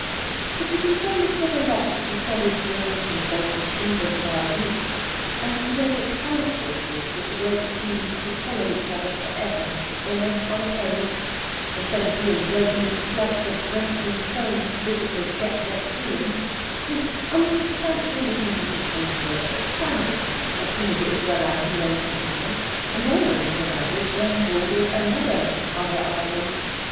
But to console us for the loss of the solid groins and bolted timbers of our youth, and to make it palatable to us that the great seas should follow each other for ever almost unopposed instead of being broken into floods of drenching foam visitors get wet through in this unsubstantial looking piece of cage work expanded as soon as it was well out in the open channel, and almost provided John Bull with another "other island."